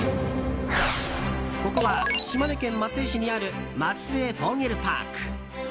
ここは、島根県松江市にある松江フォーゲルパーク。